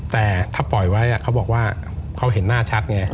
แต่ถ้าปล่อยไว้เขาบอกว่าเขาเห็นหน้าชัดไง